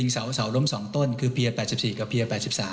เสาล้ม๒ต้นคือเพียร์๘๔กับเพีย๘๓